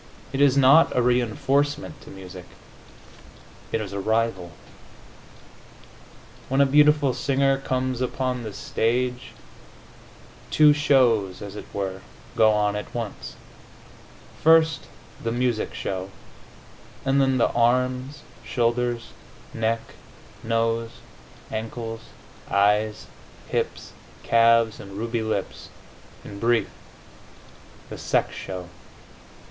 It is not a reinforcement to music; it is a rival. When a beautiful singer comes upon the stage, two shows, as it were, go on at once: first the music show, and then the arms, shoulders, neck, nose, ankles, eyes, hips, calves and ruby lips in brief, the sex show.